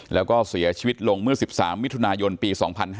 แล้วก็เสียชีวิตลงเมื่อ๑๓มิถุนายนปี๒๕๕๙